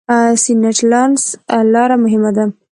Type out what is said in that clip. سینټ لارنس لاره مهمه ده.